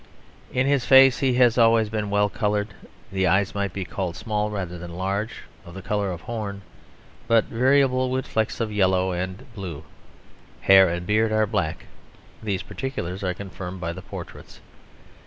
"In his face he has always been well coloured...the eyes might be called small rather than large, of the colour of horn, but variable with 'flecks' of yellow and blue. Hair and beard are black. These particulars are confirmed by the portraits.